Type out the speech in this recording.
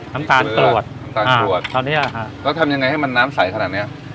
น้ำตาลกรวดน้ำตาลกรวดคราวเนี้ยฮะแล้วทำยังไงให้มันน้ำใสขนาดเนี้ย